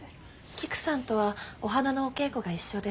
キクさんとはお花のお稽古が一緒で。